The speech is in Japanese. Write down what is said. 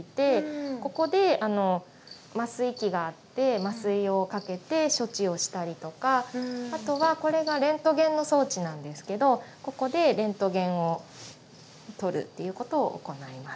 ここで麻酔器があって麻酔をかけて処置をしたりとかあとはこれがレントゲンの装置なんですけどここでレントゲンを撮るっていうことを行います。